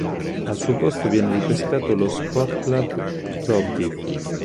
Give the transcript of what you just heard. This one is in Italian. Al suo posto viene ripescato lo Sportklub Plovdiv.